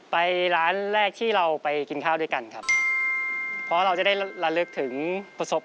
ไปร้านแรกที่เราไปกินข้าวด้วยกันครับ